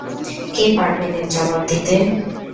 কে পারবেন এর জবাব দিতে?